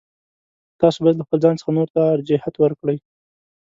تاسو باید له خپل ځان څخه نورو ته ارجحیت ورکړئ.